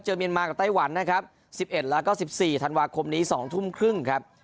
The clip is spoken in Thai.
เจอเมียนมากกับไต้หวันนะครับสิบเอ็ดแล้วก็สิบสี่ธันวาคมนี้สองทุ่มครึ่งครับ